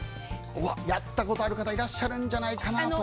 やったことある方いらっしゃるんじゃないかと。